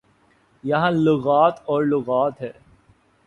یہاں لغات اور لغات ہے۔